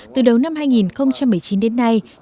từ đầu năm hai nghìn một mươi chín đến nay